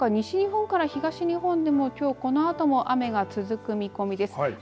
そのほか西日本から東日本でもこのあとも雨が続く見込みです。